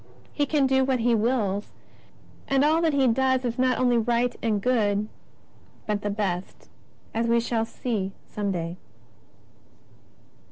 He can do what He wills, and all that He does is not only right and good, but the best, as we shall see some day.